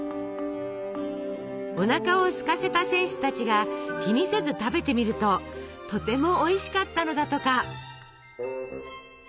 おなかをすかせた選手たちが気にせず食べてみるととてもおいしかったのだとか。